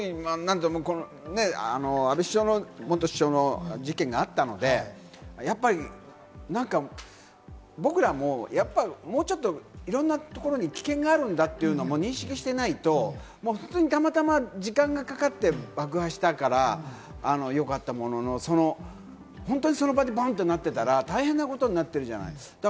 何とか大事に至らなかったんですけど、ヒロミさんはいかがで安倍元首相の事件があったので、僕らも、もうちょっと、いろんなところに危険があるんだっていうのも認識していないと、たまたま時間がかかって爆破したからよかったものの、その場でボンってなってたら大変なことになってるじゃない？